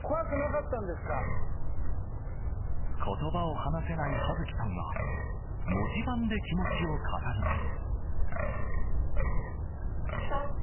言葉を話せないはづきさんは文字盤で気持ちを語ります。